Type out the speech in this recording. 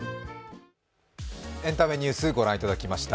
「エンタメニュース」ご覧いただきました。